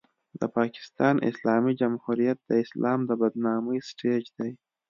د پاکستان اسلامي جمهوریت د اسلام د بدنامۍ سټېج دی.